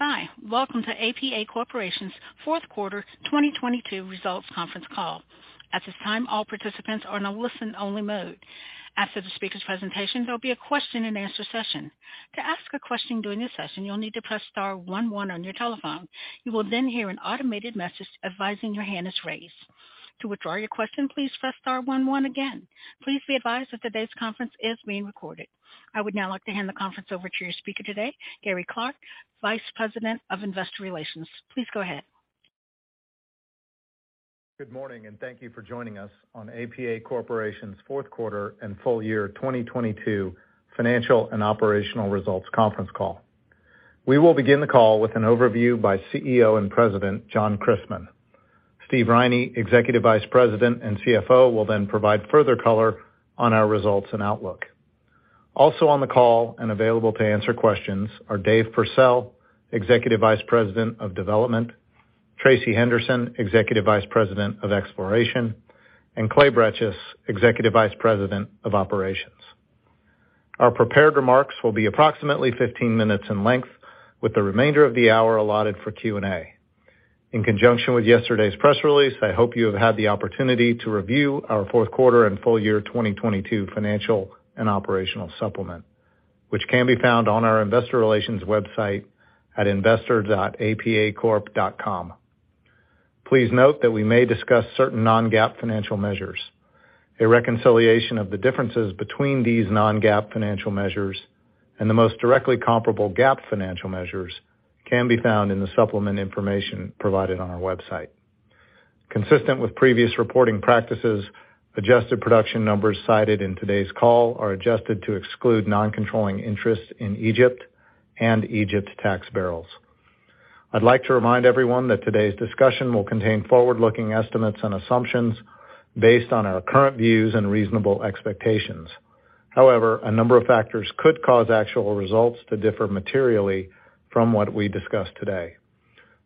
Hi, welcome to APA Corporation's fourth quarter 2022 results conference call. At this time, all participants are in a listen-only mode. After the speaker's presentation, there'll be a question-and-answer session. To ask a question during this session, you'll need to press star one one on your telephone. You will then hear an automated message advising your hand is raised. To withdraw your question, please press star one one again. Please be advised that today's conference is being recorded. I would now like to hand the conference over to your speaker today, Gary Clark, Vice President of Investor Relations. Please go ahead. Good morning, and thank you for joining us on APA Corporation's fourth quarter and full year 2022 financial and operational results conference call. We will begin the call with an overview by CEO and President, John Christmann. Stephen Riney, Executive Vice President and CFO, will then provide further color on our results and outlook. Also on the call and available to answer questions are Dave Pursell, Executive Vice President of Development, Tracey Henderson, Executive Vice President of Exploration, and Clay Bretches, Executive Vice President of Operations. Our prepared remarks will be approximately 15 minutes in length, with the remainder of the hour allotted for Q&A. In conjunction with yesterday's press release, I hope you have had the opportunity to review our fourth quarter and full year 2022 financial and operational supplement, which can be found on our investor relations website at investor.apacorp.com. Please note that we may discuss certain non-GAAP financial measures. A reconciliation of the differences between these non-GAAP financial measures and the most directly comparable GAAP financial measures can be found in the supplement information provided on our website. Consistent with previous reporting practices, adjusted production numbers cited in today's call are adjusted to exclude non-controlling interests in Egypt and Egypt tax barrels. I'd like to remind everyone that today's discussion will contain forward-looking estimates and assumptions based on our current views and reasonable expectations. However, a number of factors could cause actual results to differ materially from what we discuss today.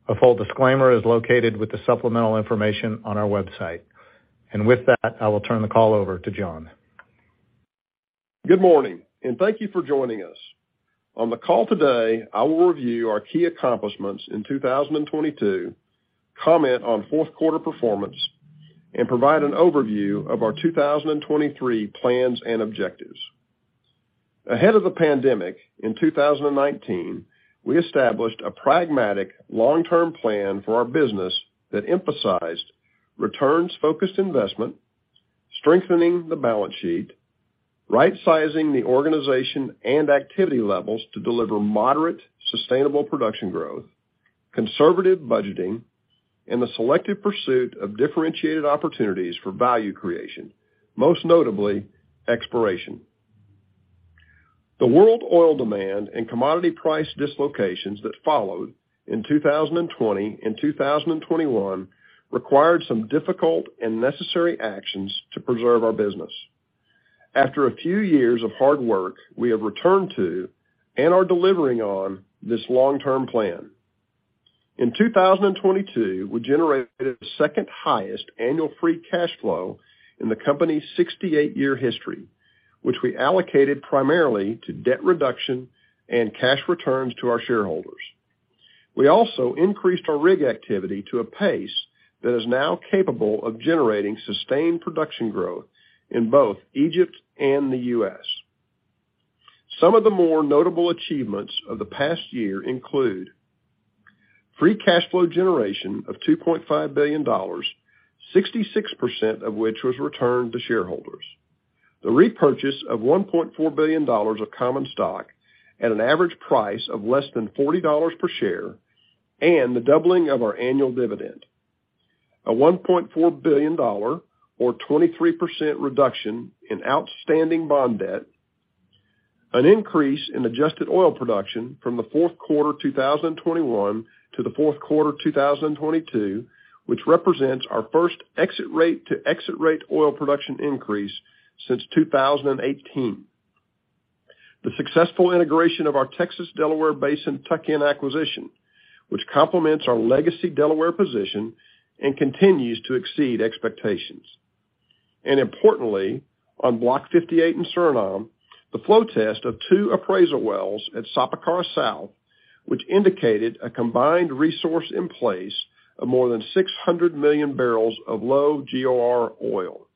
A full disclaimer is located with the supplemental information on our website. With that, I will turn the call over to John. Good morning, and thank you for joining us. On the call today, I will review our key accomplishments in 2022, comment on fourth quarter performance, and provide an overview of our 2023 plans and objectives. Ahead of the pandemic in 2019, we established a pragmatic long-term plan for our business that emphasized returns-focused investment, strengthening the balance sheet, right-sizing the organization and activity levels to deliver moderate, sustainable production growth, conservative budgeting, and the selective pursuit of differentiated opportunities for value creation, most notably exploration. The world oil demand and commodity price dislocations that followed in 2020 and 2021 required some difficult and necessary actions to preserve our business. After a few years of hard work, we have returned to and are delivering on this long-term plan. In 2022, we generated the second highest annual free cash flow in the company's 68-year history, which we allocated primarily to debt reduction and cash returns to our shareholders. We also increased our rig activity to a pace that is now capable of generating sustained production growth in both Egypt and the U.S. Some of the more notable achievements of the past year include free cash flow generation of $2.5 billion, 66% of which was returned to shareholders. The repurchase of $1.4 billion of common stock at an average price of less than $40 per share, and the doubling of our annual dividend. A $1.4 billion or 23% reduction in outstanding bond debt. An increase in adjusted oil production from the fourth quarter 2021 to the fourth quarter 2022, which represents our first exit rate to exit rate oil production increase since 2018. The successful integration of our Texas Delaware Basin tuck-in acquisition, which complements our legacy Delaware position and continues to exceed expectations. Importantly, on Block 58 in Suriname, the flow test of two appraisal wells at Sapakara South, which indicated a combined resource in place of more than 600 MMbbl of low GOR oil.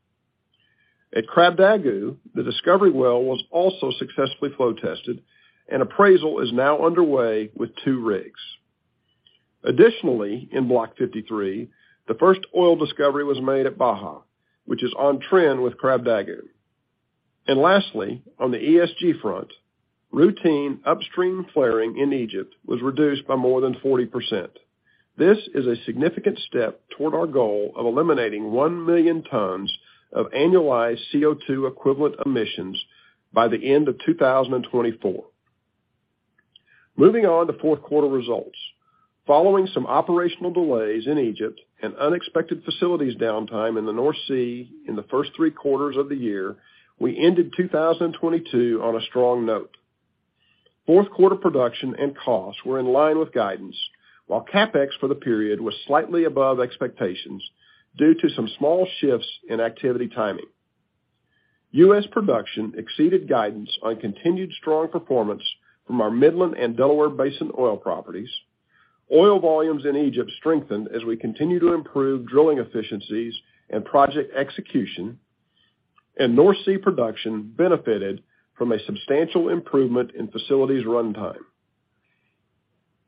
At Krabdagu, the discovery well was also successfully flow tested and appraisal is now underway with two rigs. Additionally, in Block 53, the first oil discovery was made at Baja, which is on trend with Krabdagu. Lastly, on the ESG front, routine upstream flaring in Egypt was reduced by more than 40%. This is a significant step toward our goal of eliminating 1 million tons of annualized CO₂ equivalent emissions by the end of 2024. Moving on to fourth quarter results. Following some operational delays in Egypt and unexpected facilities downtime in the North Sea in the first three quarters of the year, we ended 2022 on a strong note. Fourth quarter production and costs were in line with guidance, while CapEx for the period was slightly above expectations due to some small shifts in activity timing. U.S. production exceeded guidance on continued strong performance from our Midland and Delaware Basin oil properties. Oil volumes in Egypt strengthened as we continue to improve drilling efficiencies and project execution. North Sea production benefited from a substantial improvement in facilities runtime.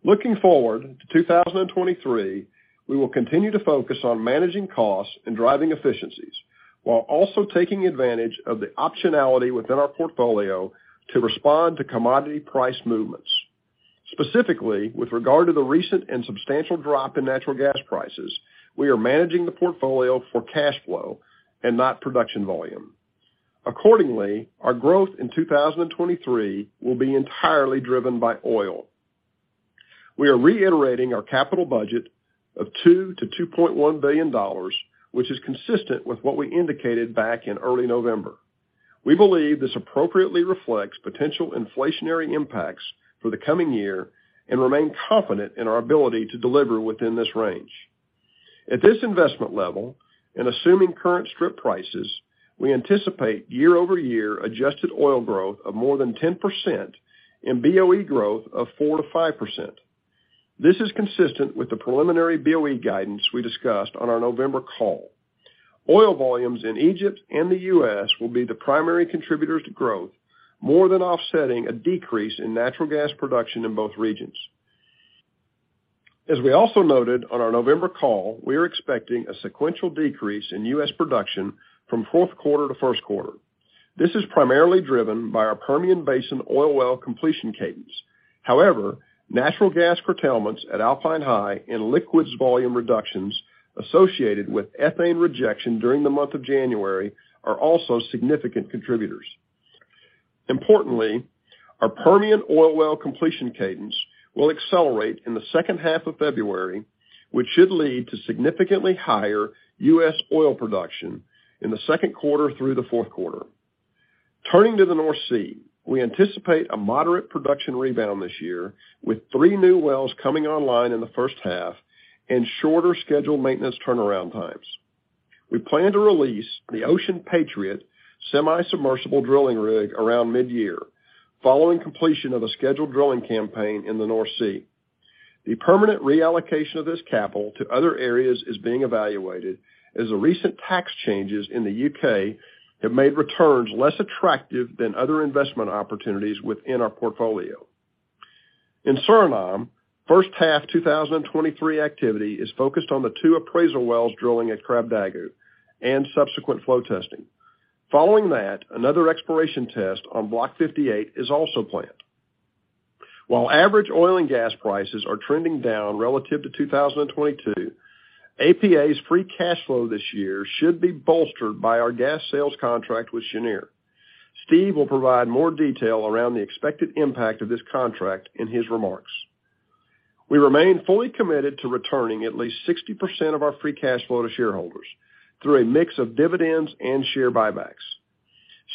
Looking forward to 2023, we will continue to focus on managing costs and driving efficiencies while also taking advantage of the optionality within our portfolio to respond to commodity price movements. Specifically, with regard to the recent and substantial drop in natural gas prices, we are managing the portfolio for cash flow and not production volume. Accordingly, our growth in 2023 will be entirely driven by oil. We are reiterating our capital budget of $2 billion-$2.1 billion, which is consistent with what we indicated back in early November. We believe this appropriately reflects potential inflationary impacts for the coming year and remain confident in our ability to deliver within this range. At this investment level and assuming current strip prices, we anticipate year-over-year Adjusted oil growth of more than 10% and BOE growth of 4%-5%. This is consistent with the preliminary BOE guidance we discussed on our November call. Oil volumes in Egypt and the U.S. will be the primary contributors to growth, more than offsetting a decrease in natural gas production in both regions. As we also noted on our November call, we are expecting a sequential decrease in U.S. production from fourth quarter to first quarter. This is primarily driven by our Permian Basin oil well completion cadence. Natural gas curtailments at Alpine High and liquids volume reductions associated with ethane rejection during the month of January are also significant contributors. Importantly, our Permian oil well completion cadence will accelerate in the second half of February, which should lead to significantly higher U.S. oil production in the second quarter through the fourth quarter. Turning to the North Sea, we anticipate a moderate production rebound this year, with three new wells coming online in the first half and shorter scheduled maintenance turnaround times. We plan to release the Ocean Patriot semi-submersible drilling rig around mid-year following completion of a scheduled drilling campaign in the North Sea. The permanent reallocation of this capital to other areas is being evaluated as the recent tax changes in the U.K. have made returns less attractive than other investment opportunities within our portfolio. In Suriname, first half 2023 activity is focused on the two appraisal wells drilling at Krabdagu and subsequent flow testing. Following that, another exploration test on Block 58 is also planned. While average oil and gas prices are trending down relative to 2022, APA's free cash flow this year should be bolstered by our gas sales contract with Cheniere. Stephen will provide more detail around the expected impact of this contract in his remarks. We remain fully committed to returning at least 60% of our free cash flow to shareholders through a mix of dividends and share buybacks.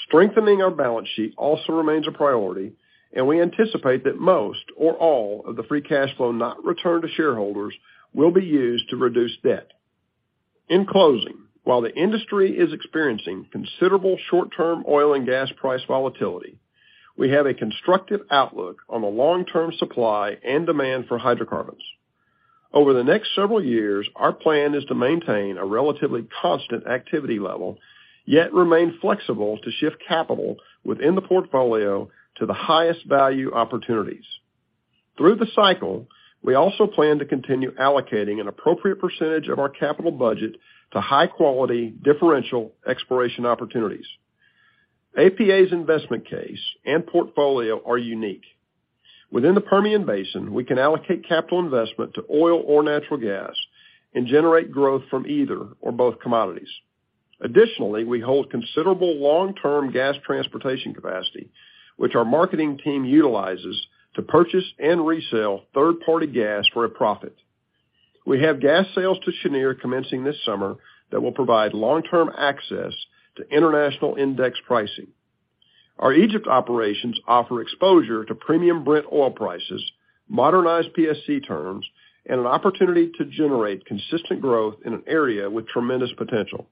Strengthening our balance sheet also remains a priority. We anticipate that most or all of the free cash flow not returned to shareholders will be used to reduce debt. In closing, while the industry is experiencing considerable short-term oil and gas price volatility, we have a constructive outlook on the long-term supply and demand for hydrocarbons. Over the next several years, our plan is to maintain a relatively constant activity level, yet remain flexible to shift capital within the portfolio to the highest value opportunities. Through the cycle, we also plan to continue allocating an appropriate percentage of our capital budget to high-quality differential exploration opportunities. APA's investment case and portfolio are unique. Within the Permian Basin, we can allocate capital investment to oil or natural gas and generate growth from either or both commodities. Additionally, we hold considerable long-term gas transportation capacity, which our marketing team utilizes to purchase and resell third-party gas for a profit. We have gas sales to Cheniere commencing this summer that will provide long-term access to international index pricing. Our Egypt operations offer exposure to premium Brent oil prices, modernized PSC terms, and an opportunity to generate consistent growth in an area with tremendous potential.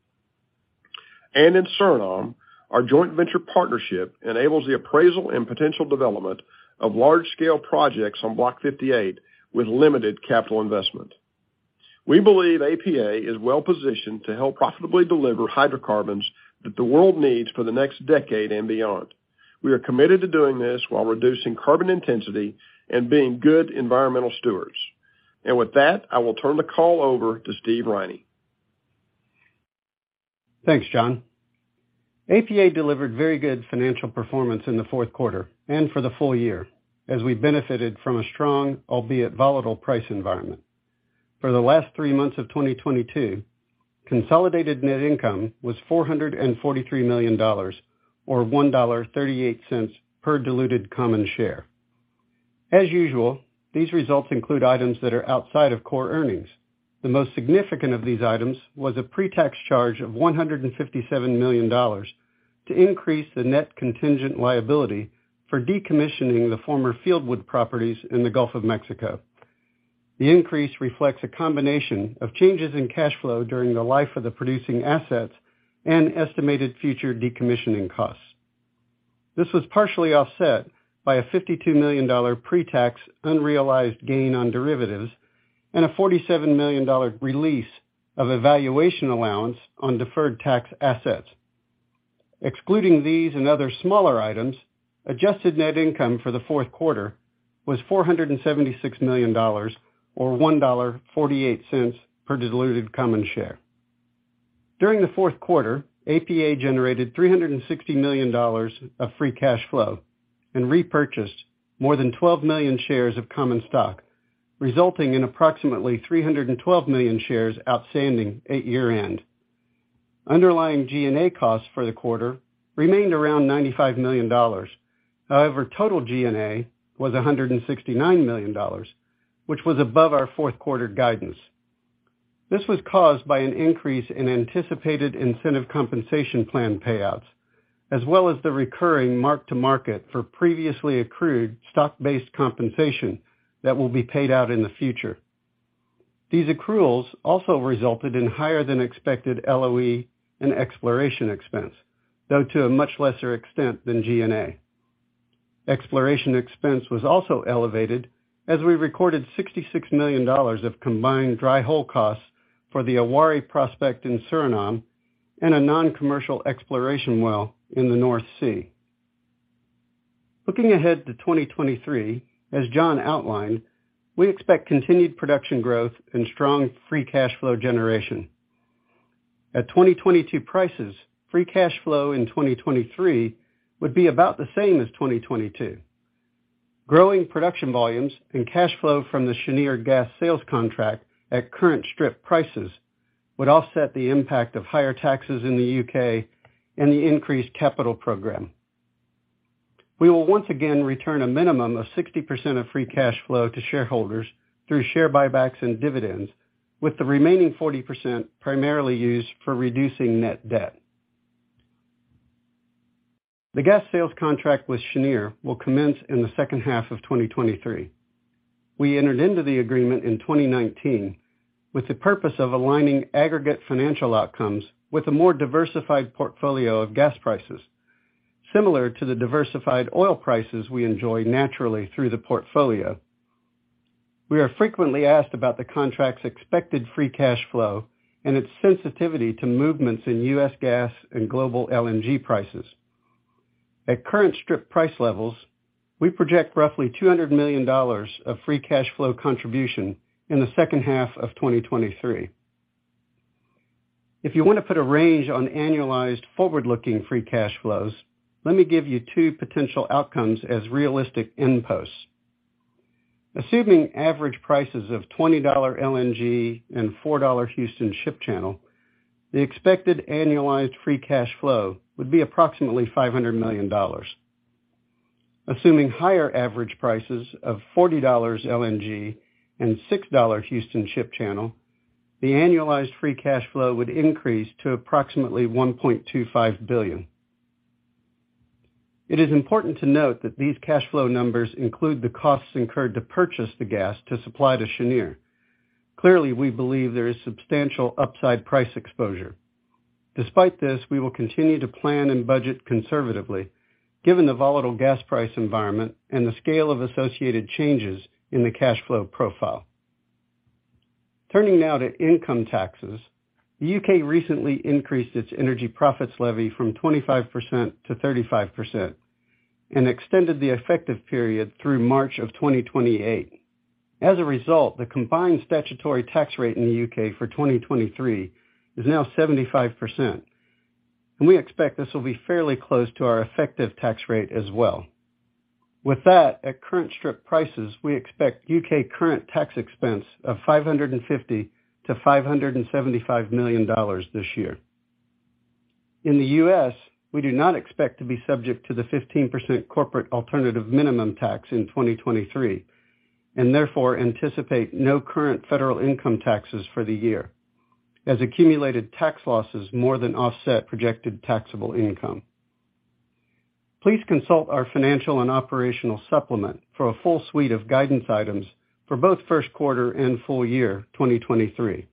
In Suriname, our joint venture partnership enables the appraisal and potential development of large-scale projects on Block 58 with limited capital investment. We believe APA is well-positioned to help profitably deliver hydrocarbons that the world needs for the next decade and beyond. We are committed to doing this while reducing carbon intensity and being good environmental stewards. With that, I will turn the call over to Stephen Riney. Thanks, John. APA delivered very good financial performance in the fourth quarter and for the full year as we benefited from a strong, albeit volatile, price environment. For the last three months of 2022, consolidated net income was $443 million or $1.38 per diluted common share. As usual, these results include items that are outside of core earnings. The most significant of these items was a pre-tax charge of $157 million to increase the net contingent liability for decommissioning the former Fieldwood properties in the Gulf of Mexico. The increase reflects a combination of changes in cash flow during the life of the producing assets and estimated future decommissioning costs. This was partially offset by a $52 million pre-tax unrealized gain on derivatives and a $47 million release of a valuation allowance on deferred tax assets. Excluding these and other smaller items, Adjusted net income for the fourth quarter was $476 million or $1.48 per diluted common share. During the fourth quarter, APA generated $360 million of free cash flow and repurchased more than 12 million shares of common stock, resulting in approximately 312 million shares outstanding at year-end. Underlying G&A costs for the quarter remained around $95 million. Total G&A was $169 million, which was above our fourth quarter guidance. This was caused by an increase in anticipated incentive compensation plan payouts, as well as the recurring mark-to-market for previously accrued stock-based compensation that will be paid out in the future. These accruals also resulted in higher than expected LOE and exploration expense, though to a much lesser extent than G&A. Exploration expense was also elevated as we recorded $66 million of combined dry hole costs for the Awari prospect in Suriname and a non-commercial exploration well in the North Sea. Looking ahead to 2023, as John outlined, we expect continued production growth and strong free cash flow generation. At 2022 prices, free cash flow in 2023 would be about the same as 2022. Growing production volumes and cash flow from the Cheniere Gas sales contract at current strip prices would offset the impact of higher taxes in the U.K. and the increased capital program. We will once again return a minimum of 60% of free cash flow to shareholders through share buybacks and dividends, with the remaining 40% primarily used for reducing net debt. The gas sales contract with Cheniere will commence in the second half of 2023. We entered into the agreement in 2019 with the purpose of aligning aggregate financial outcomes with a more diversified portfolio of gas prices, similar to the diversified oil prices we enjoy naturally through the portfolio. We are frequently asked about the contract's expected free cash flow and its sensitivity to movements in U.S. gas and global LNG prices. At current strip price levels, we project roughly $200 million of free cash flow contribution in the second half of 2023. If you want to put a range on annualized forward-looking free cash flows, let me give you two potential outcomes as realistic end posts. Assuming average prices of $20 LNG and $4 Houston Ship Channel, the expected annualized free cash flow would be approximately $500 million. Assuming higher average prices of $40 LNG and $6 Houston Ship Channel, the annualized free cash flow would increase to approximately $1.25 billion. It is important to note that these cash flow numbers include the costs incurred to purchase the gas to supply to Cheniere. We believe there is substantial upside price exposure. Despite this, we will continue to plan and budget conservatively, given the volatile gas price environment and the scale of associated changes in the cash flow profile. Turning now to income taxes. The U.K. recently increased its Energy Profits Levy from 25%-35% and extended the effective period through March 2028. The combined statutory tax rate in the U.K. for 2023 is now 75%, and we expect this will be fairly close to our effective tax rate as well. With that, at current strip prices, we expect U.K. current tax expense of $550 million-$575 million this year. In the U.S., we do not expect to be subject to the 15% Corporate Alternative Minimum Tax in 2023 and therefore anticipate no current federal income taxes for the year as accumulated tax losses more than offset projected taxable income. Please consult our financial and operational supplement for a full suite of guidance items for both first quarter and full year 2023.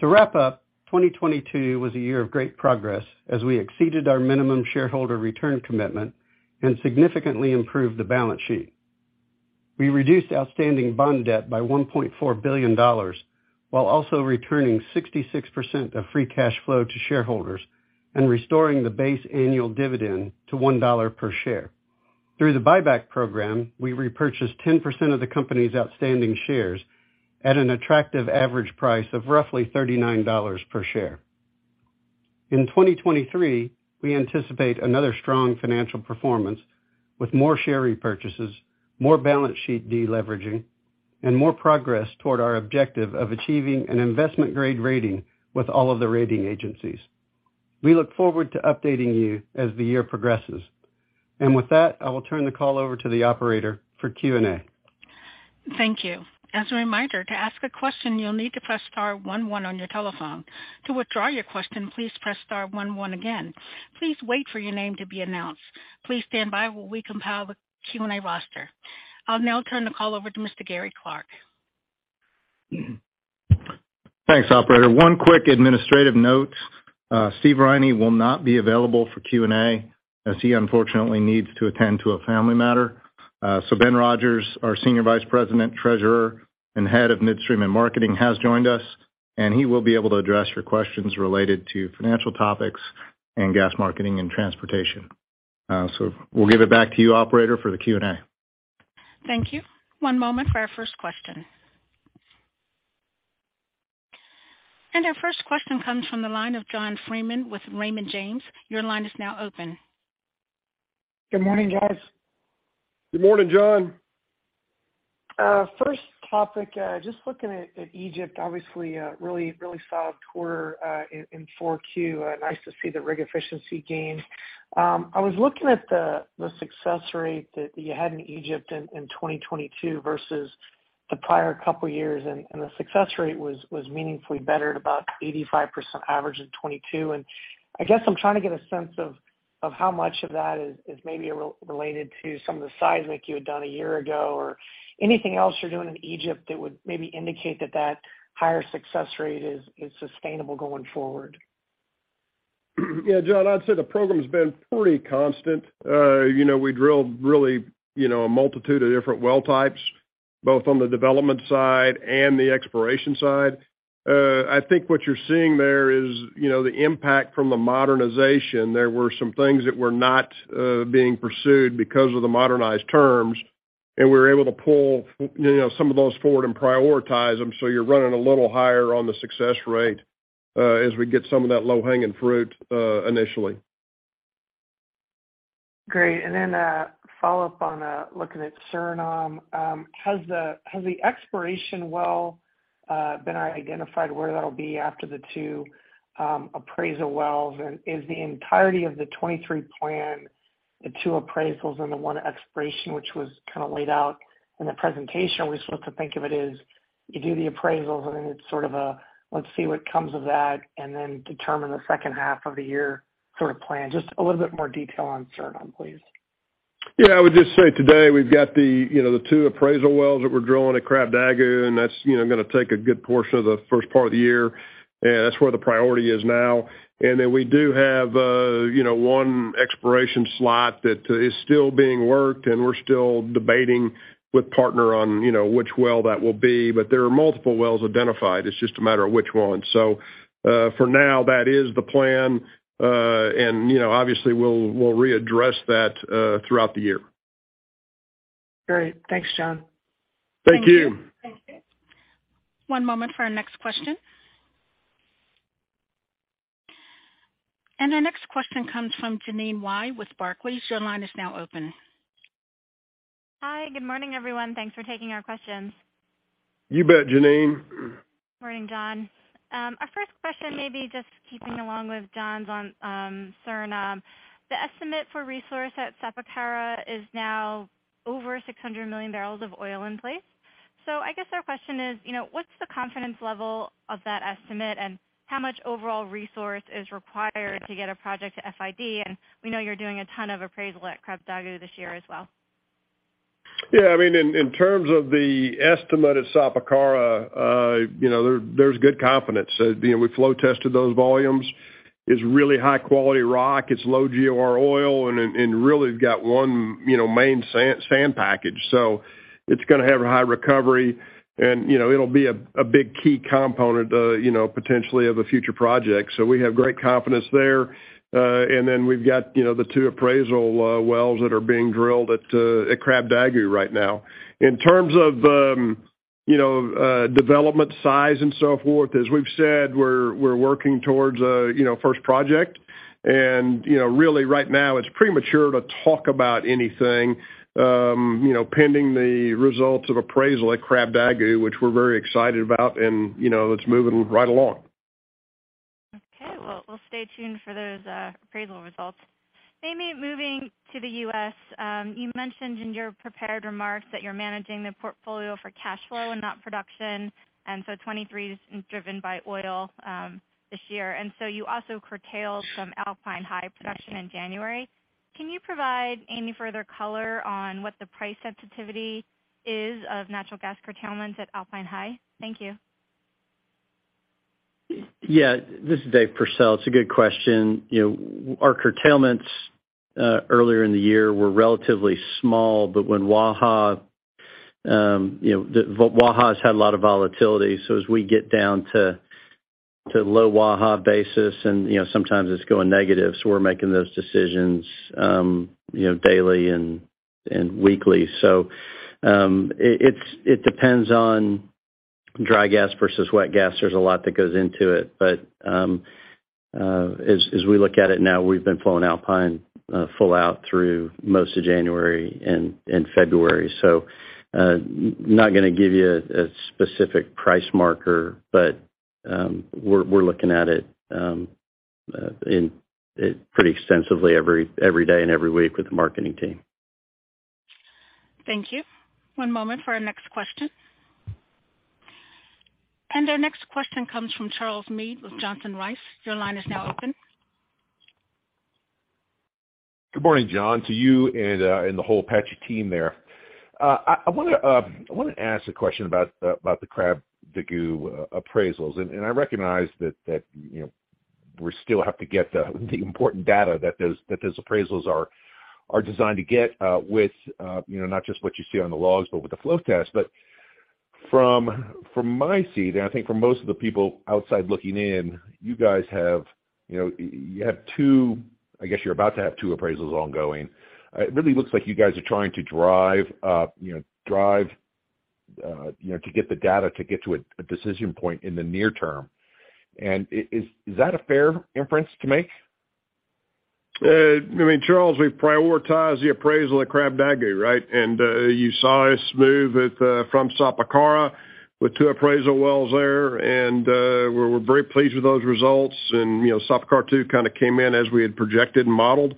To wrap up, 2022 was a year of great progress as we exceeded our minimum shareholder return commitment and significantly improved the balance sheet. We reduced outstanding bond debt by $1.4 billion, while also returning 66% of free cash flow to shareholders and restoring the base annual dividend to $1 per share. Through the buyback program, we repurchased 10% of the company's outstanding shares at an attractive average price of roughly $39 per share. In 2023, we anticipate another strong financial performance with more share repurchases, more balance sheet deleveraging, and more progress toward our objective of achieving an investment-grade rating with all of the rating agencies. We look forward to updating you as the year progresses. With that, I will turn the call over to the operator for Q&A. Thank you. As a reminder, to ask a question, you'll need to press star one one on your telephone. To withdraw your question, please press star one one again. Please wait for your name to be announced. Please stand by while we compile the Q&A roster. I'll now turn the call over to Mr. Gary Clark. Thanks, operator. One quick administrative note. Stephen Riney will not be available for Q&A as he unfortunately needs to attend to a family matter. Ben Rodgers, our Senior Vice President, Treasurer, and Head of Midstream and Marketing, has joined us, and he will be able to address your questions related to financial topics and gas marketing and transportation. We'll give it back to you, operator, for the Q&A. Thank you. One moment for our first question. Our first question comes from the line of John Freeman with Raymond James, your line is now open. Good morning, guys. Good morning, John. First topic, just looking at Egypt, obviously, really solid quarter in 4Q. Nice to see the rig efficiency gains. I was looking at the success rate that you had in Egypt in 2022 versus the prior couple years, and the success rate was meaningfully better at about 85% average in 2022. I guess I'm trying to get a sense of how much of that is maybe related to some of the seismic you had done a year ago or anything else you're doing in Egypt that would maybe indicate that higher success rate is sustainable going forward? Yeah, John, I'd say the program's been pretty constant. You know, we drilled really, you know, a multitude of different well types, both on the development side and the exploration side. I think what you're seeing there is, you know, the impact from the modernization. There were some things that were not being pursued because of the modernized terms, and we were able to pull, you know, some of those forward and prioritize them. You're running a little higher on the success rate, as we get some of that low-hanging fruit, initially. Great. Follow-up on looking at Suriname. Has the exploration well been identified where that'll be after the two appraisal wells? Is the entirety of the 2023 plan, the two appraisals and the one exploration, which was kind of laid out in the presentation? Are we supposed to think of it as you do the appraisals and then it's sort of a let's see what comes of that and then determine the second half of the year sort of plan? Just a little bit more detail on Suriname, please. Yeah, I would just say today we've got the, you know, the two appraisal wells that we're drilling at Krabdagu, and that's, you know, gonna take a good portion of the first part of the year, and that's where the priority is now. we do have, you know, one exploration slot that is still being worked, and we're still debating with partner on, you know, which well that will be. there are multiple wells identified. It's just a matter of which one. for now, that is the plan. you know, obviously we'll readdress that throughout the year. Great. Thanks, John. Thank you. Thank you. One moment for our next question. Our next question comes from Jeanine Wai with Barclays. Your line is now open. Hi. Good morning, everyone. Thanks for taking our questions. You bet, Jeanine. Morning, John. Our first question may be just keeping along with John's on Suriname. The estimate for resource at Sapakara is now over 600 MMbbl of oil in place. I guess our question is, you know, what's the confidence level of that estimate and how much overall resource is required to get a project to FID? We know you're doing a ton of appraisal at Krabdagu this year as well? Yeah, I mean, in terms of the estimate at Sapakara, you know, there's good confidence. You know, we flow tested those volumes. It's really high-quality rock. It's low GOR oil and really got one, you know, main sand package. It's gonna have a high recovery and, you know, it'll be a big key component, you know, potentially of a future project. We have great confidence there. Then we've got, you know, the two appraisal wells that are being drilled at Krabdagu right now. In terms of, you know, development size and so forth, as we've said, we're working towards a, you know, first project. You know, really right now it's premature to talk about anything, you know, pending the results of appraisal at Krabdagu, which we're very excited about. you know, it's moving right along. We'll stay tuned for those appraisal results. Maybe moving to the U.S. You mentioned in your prepared remarks that you're managing the portfolio for cash flow and not production, 2023 is driven by oil this year. You also curtailed some Alpine High production in January. Can you provide any further color on what the price sensitivity is of natural gas curtailment at Alpine High? Thank you. This is David Pursell. It's a good question. You know, our curtailments earlier in the year were relatively small. When Waha, you know, Waha's had a lot of volatility, so as we get down to low Waha basis and, you know, sometimes it's going negative, so we're making those decisions, you know, daily and weekly. It depends on dry gas versus wet gas. There's a lot that goes into it. As we look at it now, we've been flowing Alpine full out through most of January and February. Not gonna give you a specific price marker, but we're looking at it in pretty extensively every day and every week with the marketing team. Thank you. One moment for our next question. Our next question comes from Charles Meade with Johnson Rice. Your line is now open. Good morning, John, to you and the whole APA team there. I wanna ask a question about the Krabdagu appraisals. I recognize that, you know, we still have to get the important data that those appraisals are designed to get, with, you know, not just what you see on the logs but with the flow test. From my seat, and I think from most of the people outside looking in, you guys have, you know, you're about to have two appraisals ongoing. It really looks like you guys are trying to drive, you know, to get the data to get to a decision point in the near term. Is that a fair inference to make? I mean, Charles, we've prioritized the appraisal at Krabdagu, right? You saw us move at, from Sapakara with two appraisal wells there. We're very pleased with those results. You know, Sapakara 2 kind of came in as we had projected and modeled.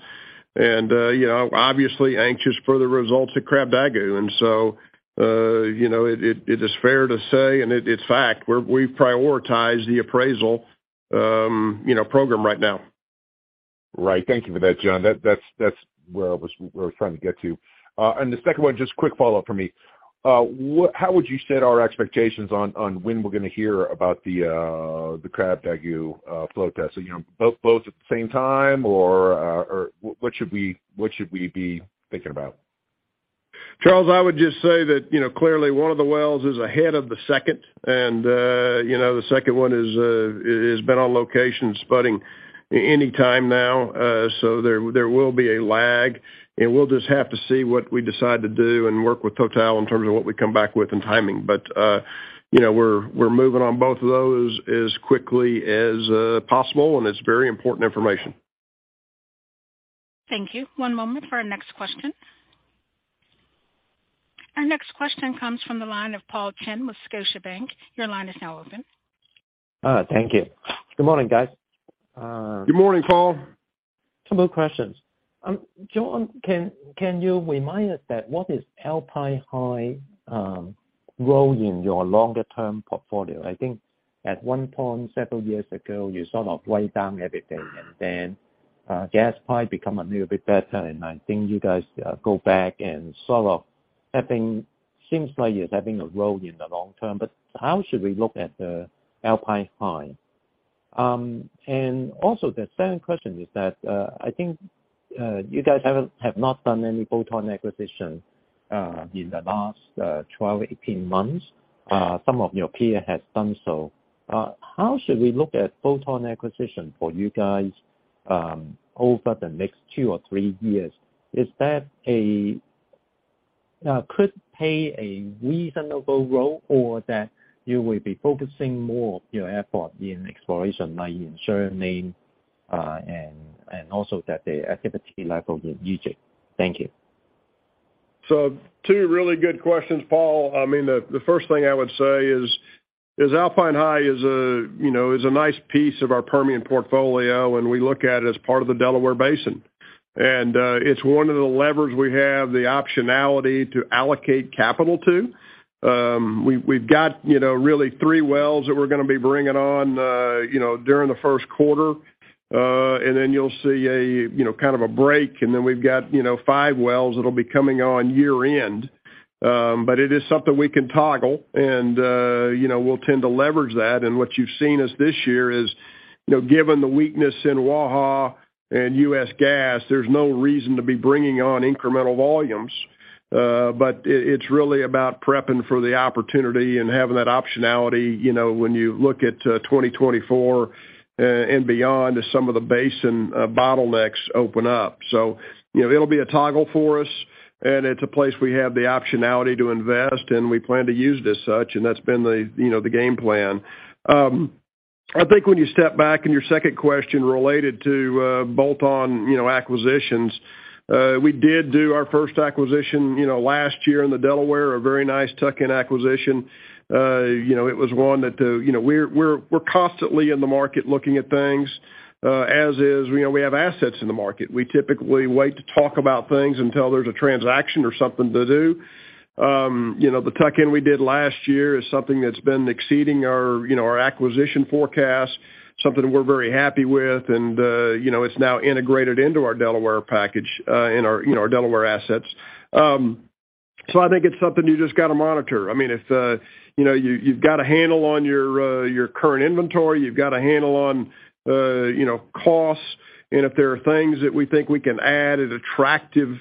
You know, obviously anxious for the results at Krabdagu. You know, it is fair to say, and it's fact, we've prioritized the appraisal, you know, program right now. Right. Thank you for that, John. That's where I was, where I was trying to get to. The second one, just quick follow-up for me. How would you set our expectations on when we're gonna hear about the Krabdagu flow test? You know, both at the same time or what should we be thinking about? Charles, I would just say that, you know, clearly one of the wells is ahead of the second. You know, the second one is better on location, spudding any time now. There, there will be a lag. We'll just have to see what we decide to do and work with TotalEnergies in terms of what we come back with in timing. You know, we're moving on both of those as quickly as possible, and it's very important information. Thank you. One moment for our next question. Our next question comes from the line of Paul Cheng with Scotiabank. Your line is now open. Thank you. Good morning, guys. Good morning, Paul. Couple of questions. John, can you remind us that what is Alpine High, role in your longer-term portfolio? I think at one point several years ago, you sort of write down everything. Then, gas probably become a little bit better, and I think you guys, go back and sort of having. Seems like it's having a role in the long term. How should we look at the Alpine High? Also the second question is that, I think, you guys have not done any bolt-on acquisition, in the last, 12 months, 18 months. Some of your peer has done so. How should we look at bolt-on acquisition for you guys, over the next two or three years? Is that a, could it play a reasonable role or that you will be focusing more of your effort in exploration, like in Suriname, and also that the activity level with Egypt? Thank you. Two really good questions, Paul. I mean, the first thing I would say is, Alpine High is a, you know, is a nice piece of our Permian portfolio, and we look at it as part of the Delaware Basin. It's one of the levers we have the optionality to allocate capital to. We've got, you know, really three wells that we're gonna be bringing on, you know, during the first quarter. Then you'll see a, you know, kind of a break, and then we've got, you know, five wells that'll be coming on year-end. It is something we can toggle and, you know, we'll tend to leverage that. What you've seen is this year is, you know, given the weakness in Waha and U.S. gas, there's no reason to be bringing on incremental volumes. But it's really about prepping for the opportunity and having that optionality, you know, when you look at 2024 and beyond as some of the basin bottlenecks open up. You know, it'll be a toggle for us, and it's a place we have the optionality to invest, and we plan to use it as such, and that's been the, you know, the game plan. I think when you step back, and your second question related to bolt-on, you know, acquisitions, we did do our first acquisition, you know, last year in the Delaware, a very nice tuck-in acquisition. You know, it was one that, you know, we're, we're constantly in the market looking at things, as is, you know, we have assets in the market. We typically wait to talk about things until there's a transaction or something to do. You know, the tuck-in we did last year is something that's been exceeding our, you know, our acquisition forecast, something we're very happy with. You know, it's now integrated into our Delaware package, in our, you know, our Delaware assets. I think it's something you just got to monitor. I mean, if, you know, you've got a handle on your current inventory, you've got a handle on, you know, costs. If there are things that we think we can add at attractive,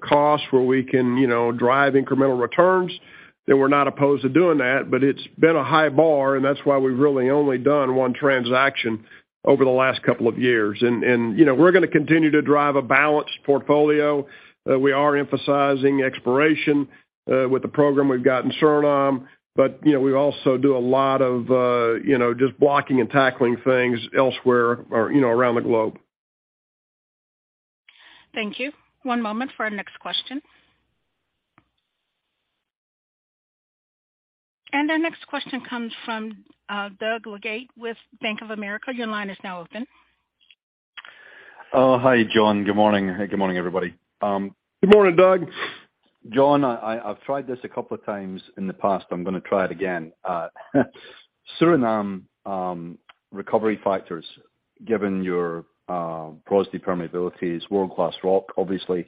costs where we can, you know, drive incremental returns, then we're not opposed to doing that. It's been a high bar, and that's why we've really only done one transaction over the last couple of years. You know, we're gonna continue to drive a balanced portfolio. We are emphasizing exploration with the program we've got in Suriname. You know, we also do a lot of, you know, just blocking and tackling things elsewhere or, you know, around the globe. Thank you. One moment for our next question. Our next question comes from Doug Leggate with Bank of America. Your line is now open. Hi, John. Good morning. Good morning, everybody. Good morning, Doug. John, I've tried this a couple of times in the past, but I'm gonna try it again. Suriname, recovery factors, given your porosity, permeabilities, world-class rock, obviously.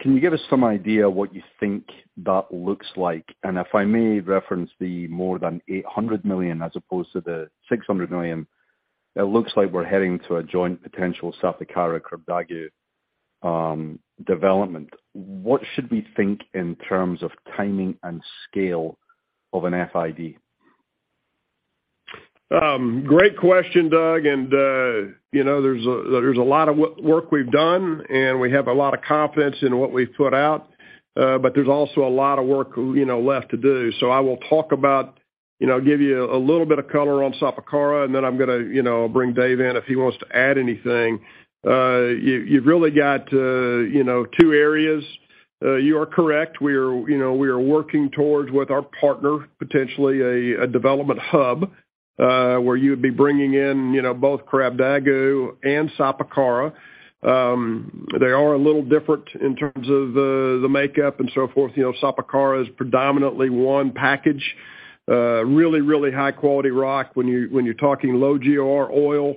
Can you give us some idea what you think that looks like? If I may reference the more than $800 million as opposed to the $600 million, it looks like we're heading to a joint potential Sapakara, Krabdagu development. What should we think in terms of timing and scale of an FID? Great question, Doug. You know, there's a lot of work we've done, and we have a lot of confidence in what we've put out, but there's also a lot of work, you know, left to do. I will talk about, you know, give you a little bit of color on Sapakara, and then I'm gonna, you know, bring Dave in if he wants to add anything. You've really got, you know, two areas. You are correct. We are, you know, we are working towards, with our partner, potentially a development hub, where you'd be bringing in, you know, both Krabdagu and Sapakara. They are a little different in terms of the makeup and so forth. You know, Sapakara is predominantly one package. Really high quality rock. When you're talking low GOR oil,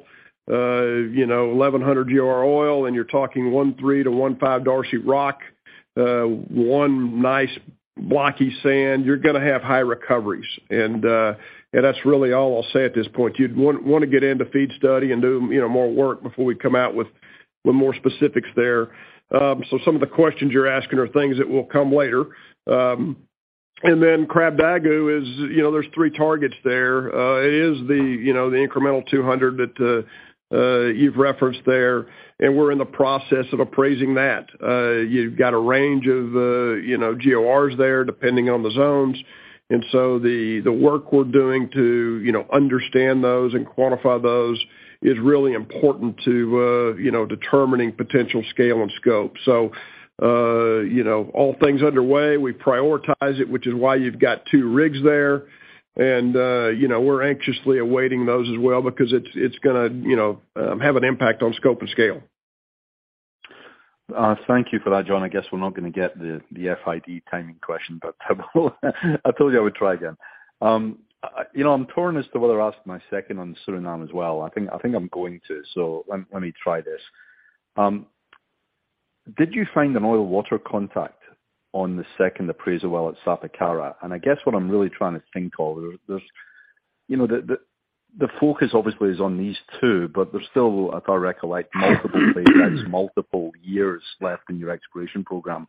you know, 1,100 GOR oil and you're talking 1.3-1.5 darcy rock, one nice blocky sand, you're gonna have high recoveries. That's really all I'll say at this point. You'd wanna get into FID study and do, you know, more work before we come out with more specifics there. Some of the questions you're asking are things that will come later. Krabdagu is, you know, there's three targets there. It is the, you know, the incremental 200 that, you've referenced there, and we're in the process of appraising that. You've got a range of, you know, GORs there depending on the zones. The work we're doing to, you know, understand those and quantify those is really important to, you know, determining potential scale and scope. You know, all things underway. We prioritize it, which is why you've got two rigs there. You know, we're anxiously awaiting those as well because it's gonna, you know, have an impact on scope and scale. Thank you for that, John. I guess we're not gonna get the FID timing question, but I told you I would try again. You know, I'm torn as to whether I ask my second on Suriname as well. I think I'm going to, so let me try this. Did you find an oil water contact on the second appraisal well at Sapakara? I guess what I'm really trying to think of, you know, the focus obviously is on these two, but there's still, if I recollect, multiple playbacks, multiple years left in your exploration program.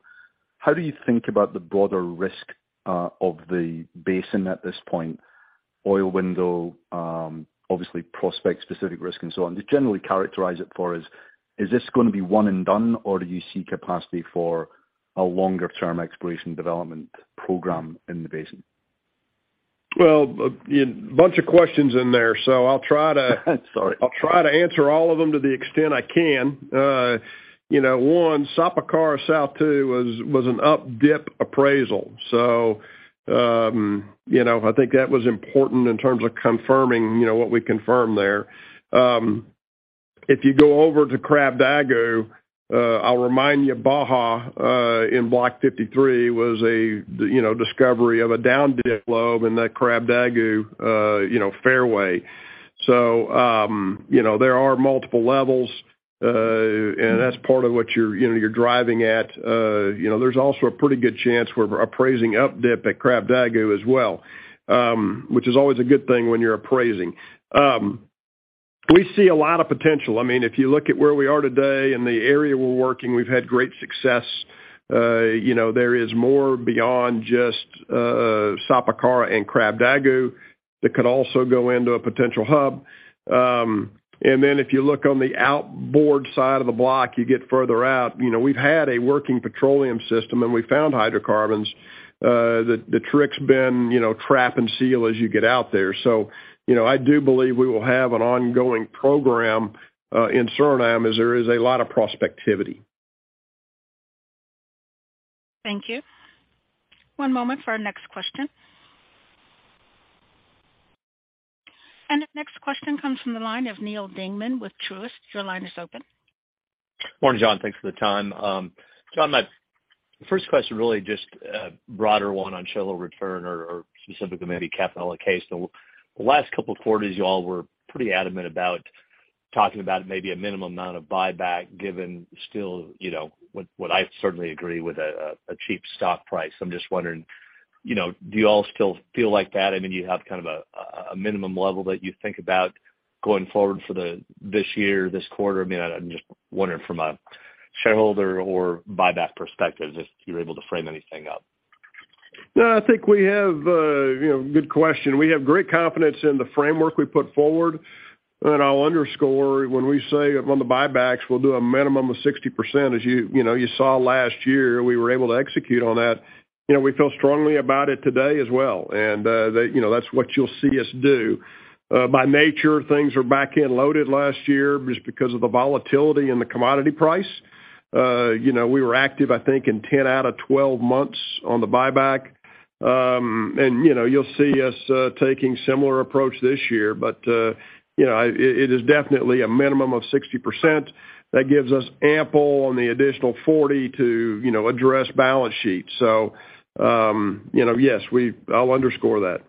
How do you think about the broader risk of the basin at this point? Oil window, obviously prospect-specific risk and so on. Just generally characterize it for us. Is this gonna be one and done, or do you see capacity for a longer-term exploration development program in the basin? Well, you know, bunch of questions in there, so I'll try. Sorry. I'll try to answer all of them to the extent I can. You know, one, Sapakara South 2 was an up-dip appraisal. I think that was important in terms of confirming, you know, what we confirmed there. If you go over to Krabdagu, I'll remind you, Baja, in Block 53 was a discovery of a down-dip lobe in that Krabdagu fairway. You know, there are multiple levels, and that's part of what you're, you know, you're driving at. You know, there's also a pretty good chance we're appraising up dip at Krabdagu as well, which is always a good thing when you're appraising. We see a lot of potential. I mean, if you look at where we are today and the area we're working, we've had great success. You know, there is more beyond just Sapakara and Krabdagu that could also go into a potential hub. If you look on the outboard side of the block, you get further out. You know, we've had a working petroleum system, and we found hydrocarbons. The trick's been, you know, trap and seal as you get out there. You know, I do believe we will have an ongoing program in Suriname, as there is a lot of prospectivity. Thank you. One moment for our next question. The next question comes from the line of Neil Dingman with Truist. Your line is open. Morning, John. Thanks for the time. John, my first question, really just a broader one on shareholder return or specifically maybe capital allocation. The last couple of quarters, you all were pretty adamant about talking about maybe a minimum amount of buyback given still, you know, what I certainly agree with, a cheap stock price. I'm just wondering, you know, do you all still feel like that? I mean, do you have kind of a minimum level that you think about going forward for this year, this quarter? I mean, I'm just wondering from a shareholder or buyback perspective, if you're able to frame anything up. No, I think we have, you know, good question. We have great confidence in the framework we put forward. I'll underscore when we say on the buybacks, we'll do a minimum of 60%. As you know, you saw last year, we were able to execute on that. You know, we feel strongly about it today as well. They, you know, that's what you'll see us do. By nature, things were back-end loaded last year just because of the volatility in the commodity price. You know, we were active, I think, in 10 out of 12 months on the buyback. You've seen us taking similar approach this year, but, you know, it is definitely a minimum of 60% that gives us ample on the additional 40% to, you know, address balance sheet. You know, yes, I'll underscore that.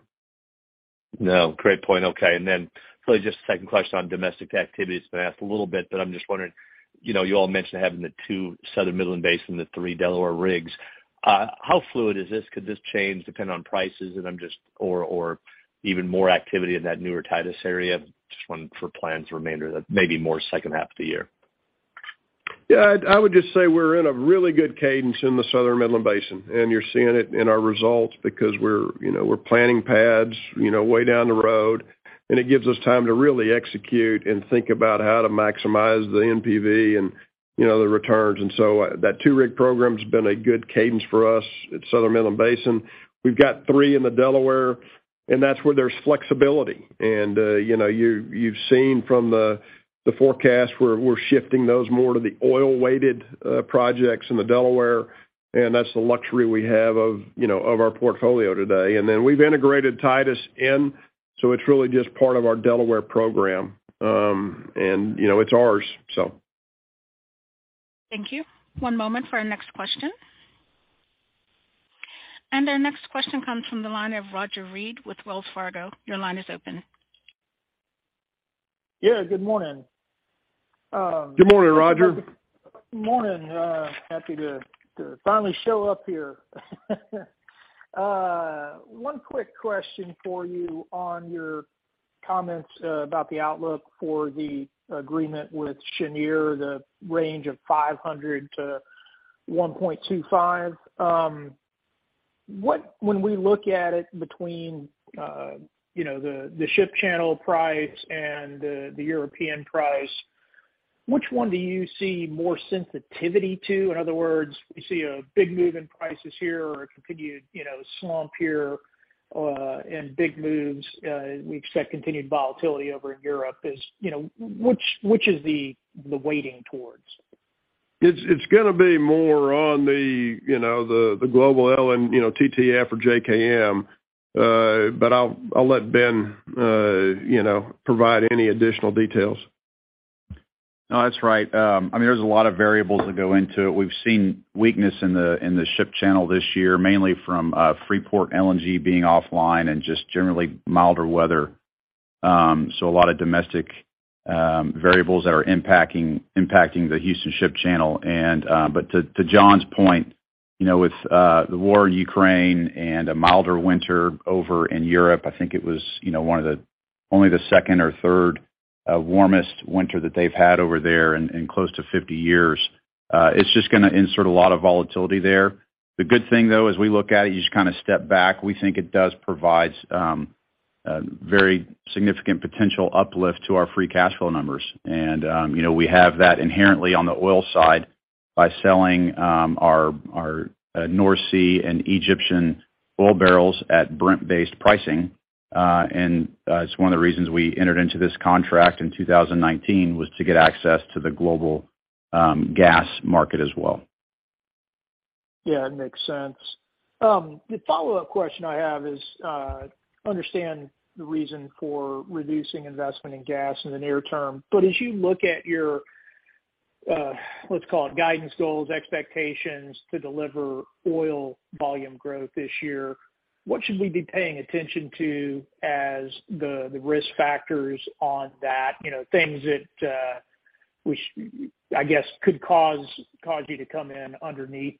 No, great point. Okay. Really just a second question on domestic activities. It's been asked a little bit, but I'm wondering, you know, you all mentioned having the two Southern Midland Basin, the three Delaware rigs. How fluid is this? Could this change depending on prices? Or even more activity in that newer Titus area, just wondering for plans remainder, maybe more second half of the year? Yeah, I would just say we're in a really good cadence in the Southern Midland Basin, and you're seeing it in our results because we're, you know, we're planning pads, you know, way down the road, and it gives us time to really execute and think about how to maximize the NPV and, you know, the returns. That 2-rig program's been a good cadence for us at Southern Midland Basin. We've got three in the Delaware, and that's where there's flexibility. And, you know, you've seen from the forecast, we're shifting those more to the oil-weighted projects in the Delaware, and that's the luxury we have of, you know, of our portfolio today. Then we've integrated Titus in, so it's really just part of our Delaware program. And, you know, it's ours, so. Thank you. One moment for our next question. Our next question comes from the line of Roger Read with Wells Fargo. Your line is open. Yeah, good morning. Good morning, Roger. Morning. happy to finally show up here. One quick question for you on your comments about the outlook for the agreement with Cheniere, the range of 500-1.25. When we look at it between, you know, the ship channel price and the European price, which one do you see more sensitivity to? In other words, we see a big move in prices here or a continued, you know, slump here, and big moves, we've set continued volatility over in Europe is, you know, which is the weighting towards? It's gonna be more on the, you know, the global element, you know, TTF or JKM. I'll let Ben, you know, provide any additional details. No, that's right. I mean, there's a lot of variables that go into it. We've seen weakness in the, in the ship channel this year, mainly from Freeport LNG being offline and just generally milder weather. A lot of domestic variables that are impacting the Houston Ship Channel. To John's point, you know, with the war in Ukraine and a milder winter over in Europe, I think it was, you know, only the second or third warmest winter that they've had over there in close to 50 years, it's just going to insert a lot of volatility there. The good thing, though, as we look at it, you just kind of step back. We think it does provide a very significant potential uplift to our free cash flow numbers. You know, we have that inherently on the oil side by selling our North Sea and Egyptian oil barrels at Brent-based pricing. It's one of the reasons we entered into this contract in 2019, was to get access to the global gas market as well. Yeah, it makes sense. The follow-up question I have is, understand the reason for reducing investment in gas in the near term. As you look at your, let's call it guidance goals, expectations to deliver oil volume growth this year, what should we be paying attention to as the risk factors on that? You know, things that, which, I guess, could cause you to come in underneath,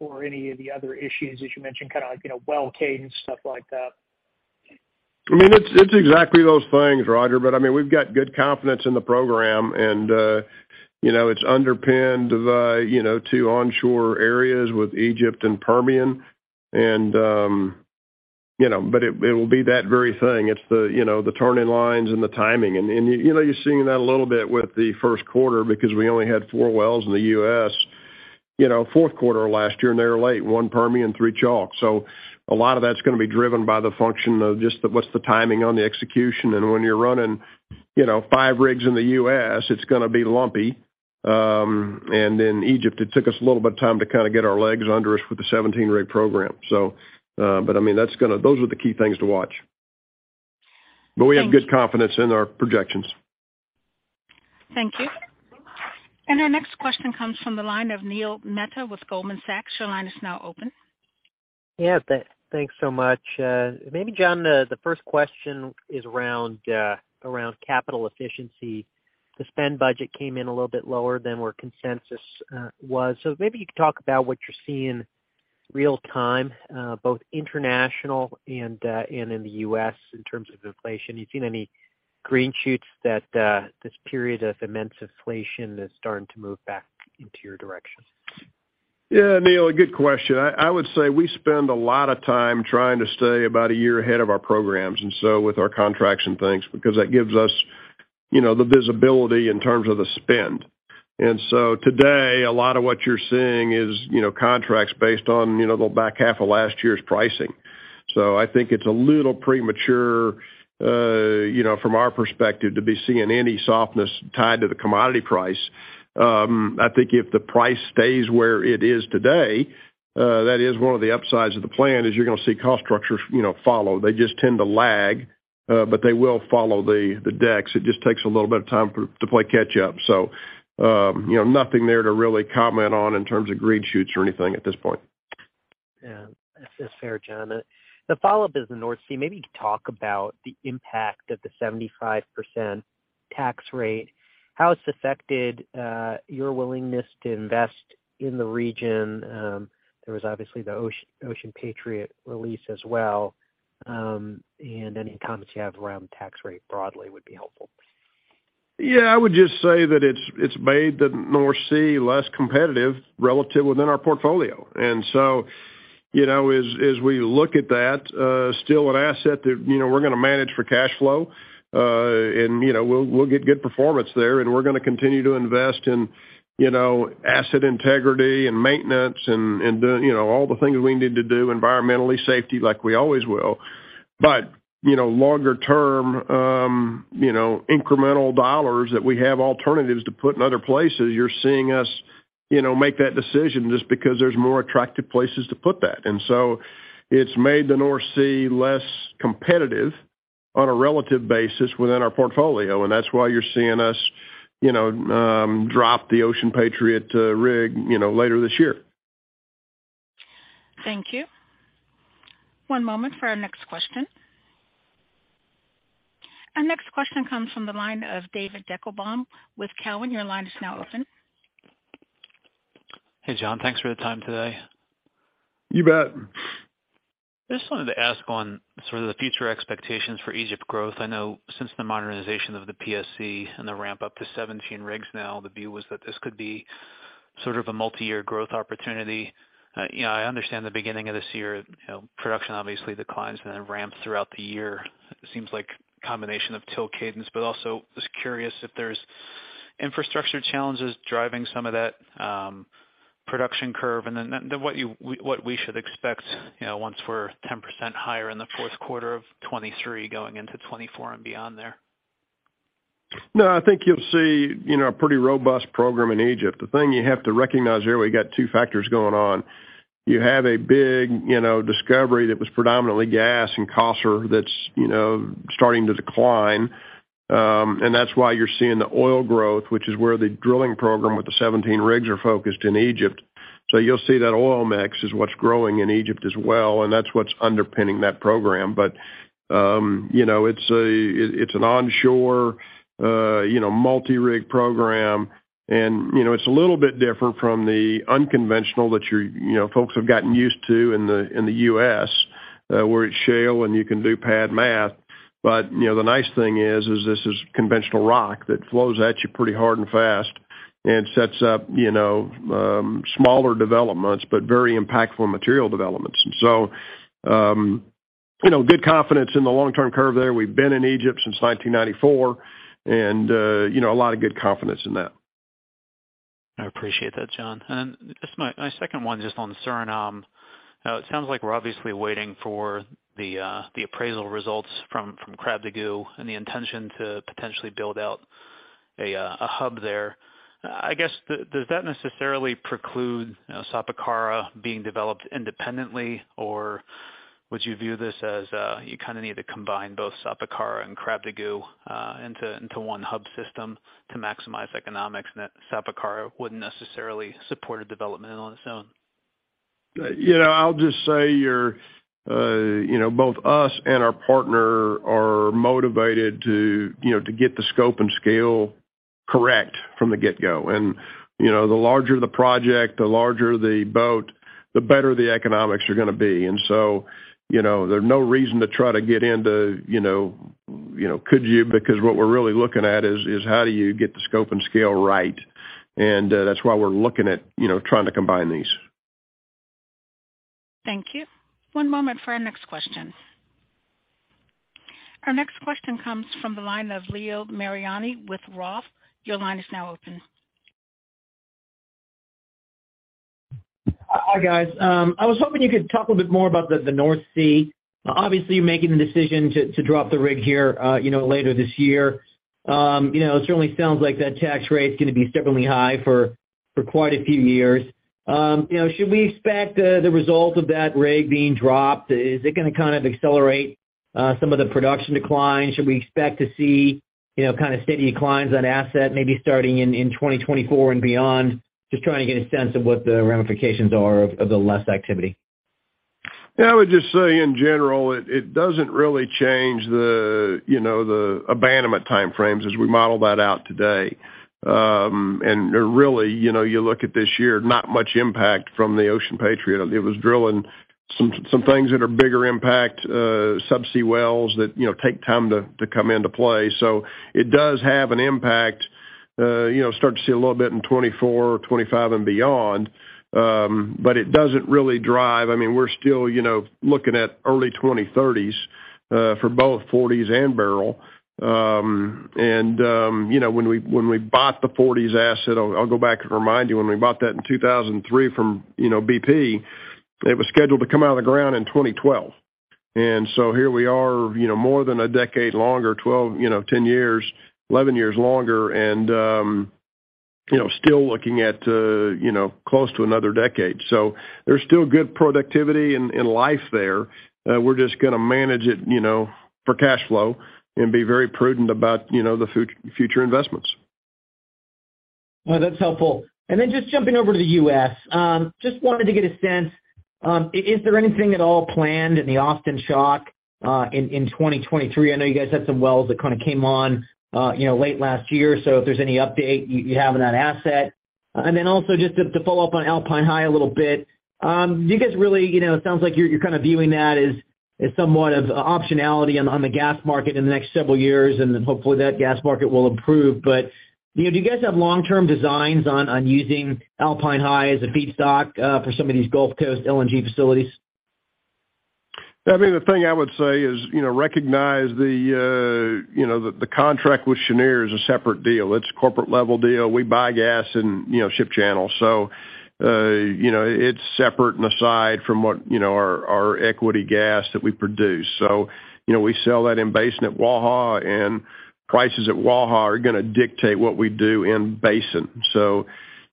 or any of the other issues, as you mentioned, kind of like, you know, well cadence, stuff like that? I mean, it's exactly those things, Roger. I mean, we've got good confidence in the program, you know, it's underpinned by, you know, two onshore areas with Egypt and Permian. You know, but it will be that very thing. It's the, you know, the turning lines and the timing. You know, you're seeing that a little bit with the first quarter because we only had four wells in the U.S. You know, fourth quarter of last year, and they were late, one Permian, three Chalk. A lot of that's gonna be driven by the function of just the, what's the timing on the execution. When you're running, you know, five rigs in the U.S., it's gonna be lumpy. Egypt, it took us a little bit of time to kind of get our legs under us with the 17-rig program. I mean, those are the key things to watch. Thank you. We have good confidence in our projections. Thank you. Our next question comes from the line of Neil Mehta with Goldman Sachs. Your line is now open. Yeah, thanks so much. Maybe, John, the first question is around capital efficiency. The spend budget came in a little bit lower than where consensus was. Maybe you could talk about what you're seeing real-time, both international and in the U.S. in terms of inflation. You've seen any green shoots that this period of immense inflation is starting to move back into your direction? Yeah. Neal, a good question. I would say we spend a lot of time trying to stay about a year ahead of our programs with our contracts and things, because that gives us, you know, the visibility in terms of the spend. Today, a lot of what you're seeing is, you know, contracts based on, you know, the back half of last year's pricing. I think it's a little premature, you know, from our perspective to be seeing any softness tied to the commodity price. I think if the price stays where it is today, that is one of the upsides of the plan, is you're gonna see cost structures, you know, follow. They just tend to lag, they will follow the decks. It just takes a little bit of time to play catch up. You know, nothing there to really comment on in terms of green shoots or anything at this point. Yeah, that's fair, John. The follow-up is the North Sea. Maybe talk about the impact of the 75% tax rate. How it's affected, your willingness to invest in the region. There was obviously the Ocean Patriot release as well. Any comments you have around tax rate broadly would be helpful. Yeah, I would just say that it's made the North Sea less competitive relative within our portfolio. You know, as we look at that, still an asset that, you know, we're gonna manage for cash flow. You know, we'll get good performance there, and we're gonna continue to invest in, you know, asset integrity and maintenance and, you know, all the things we need to do environmentally, safety, like we always will. You know, longer term, incremental dollars that we have alternatives to put in other places, you're seeing us, you know, make that decision just because there's more attractive places to put that. It's made the North Sea less competitive on a relative basis within our portfolio, and that's why you're seeing us, you know, drop the Ocean Patriot rig, you know, later this year. Thank you. One moment for our next question. Our next question comes from the line of David Deckelbaum with Cowen. Your line is now open. Hey, John. Thanks for the time today. You bet. Just wanted to ask on sort of the future expectations for Egypt growth. I know since the modernization of the PSC and the ramp up to 17 rigs now, the view was that this could be sort of a multi-year growth opportunity. you know, I understand the beginning of this year, you know, production obviously declines and then ramps throughout the year. It seems like a combination of till cadence, but also just curious if there's infrastructure challenges driving some of that production curve. Then what we should expect, you know, once we're 10% higher in the fourth quarter of 2023 going into 2024 and beyond there? I think you'll see, you know, a pretty robust program in Egypt. The thing you have to recognize there, we've got two factors going on. You have a big, you know, discovery that was predominantly gas and that's, you know, starting to decline. That's why you're seeing the oil growth, which is where the drilling program with the 17 rigs are focused in Egypt. You'll see that oil mix is what's growing in Egypt as well, and that's what's underpinning that program. You know, it's an onshore, you know, multi-rig program. You know, it's a little bit different from the unconventional that you're, you know, folks have gotten used to in the, in the U.S., where it's shale and you can do pad math. You know, the nice thing is this is conventional rock that flows at you pretty hard and fast and sets up, you know, smaller developments, but very impactful material developments. you know, good confidence in the long-term curve there. We've been in Egypt since 1994 and, you know, a lot of good confidence in that. I appreciate that, John. Just my second one just on Suriname. It sounds like we're obviously waiting for the appraisal results from Krabdagu and the intention to potentially build out a hub there. I guess, does that necessarily preclude, you know, Sapakara being developed independently? Would you view this as, you kind of need to combine both Sapakara and Krabdagu into one hub system to maximize economics and that Sapakara wouldn't necessarily support a development on its own? You know, I'll just say your, you know, both us and our partner are motivated to, you know, to get the scope and scale correct from the get-go. You know, the larger the project, the larger the boat, the better the economics are gonna be. You know, there's no reason to try to get into, you know, you know, could you? Because what we're really looking at is how do you get the scope and scale right, and that's why we're looking at, you know, trying to combine these. Thank you. One moment for our next question. Our next question comes from the line of Leo Mariani with Roth. Your line is now open. Hi, guys. I was hoping you could talk a little bit more about the North Sea. Obviously, you're making the decision to drop the rig here, you know, later this year. You know, it certainly sounds like that tax rate is gonna be significantly high for quite a few years. You know, should we expect the result of that rig being dropped? Is it gonna kind of accelerate some of the production declines? Should we expect to see, you know, kind of steady declines on asset maybe starting in 2024 and beyond? Just trying to get a sense of what the ramifications are of the less activity. I would just say in general, it doesn't really change the, you know, the abandonment time frames as we model that out today. Really, you know, you look at this year, not much impact from the Ocean Patriot. It was drilling some things that are bigger impact, sub-sea wells that, you know, take time to come into play. It does have an impact. You know, start to see a little bit in 2024, 2025 and beyond. It doesn't really drive. I mean, we're still, you know, looking at early 2030s for both Forties and Beryl. You know, when we bought the Forties asset, I'll go back and remind you when we bought that in 2003 from, you know, BP, it was scheduled to come out of the ground in 2012. Here we are, you know, more than a decade longer, 12, you know, 10 years, 11 years longer, you know, still looking at, you know, close to another decade. There's still good productivity and life there. We're just gonna manage it, you know, for cash flow and be very prudent about, you know, the future investments. That's helpful. Just jumping over to the U.S. just wanted to get a sense, is there anything at all planned in the Austin Chalk in 2023? I know you guys had some wells that kind of came on, you know, late last year. If there's any update you have on that asset. Also just to follow up on Alpine High a little bit, do you guys really, you know, it sounds like you're kind of viewing that as somewhat of optionality on the gas market in the next several years, and then hopefully that gas market will improve. You know, do you guys have long-term designs on using Alpine High as a feedstock for some of these Gulf Coast LNG facilities? I mean, the thing I would say is, you know, recognize the, you know, the contract with Cheniere is a separate deal. It's a corporate-level deal. We buy gas and, you know, ship channels. It's separate and aside from what, you know, our equity gas that we produce. You know, we sell that in basin at Waha, and prices at Waha are gonna dictate what we do in basin.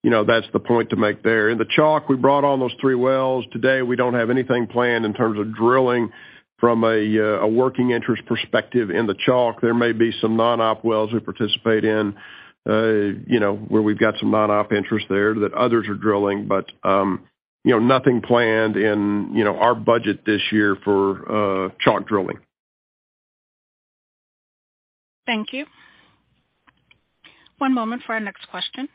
You know, that's the point to make there. In the Chalk, we brought on those three wells. Today, we don't have anything planned in terms of drilling from a working interest perspective in the Chalk. There may be some non-op wells we participate in, you know, where we've got some non-op interest there that others are drilling, but, you know, nothing planned in, you know, our budget this year for Chalk drilling. Thank you. One moment for our next question.